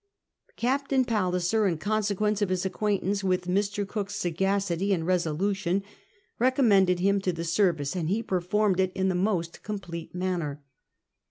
Captain Palliser, in conscHpicncc of his accpiaintancc with Mr. Cook*s sagacity and resolution, recommendcid him to tlie service, and he performed it in the most complete manner.